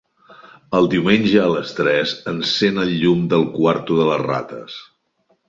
Els diumenges a les tres encèn el llum del quarto de les rates.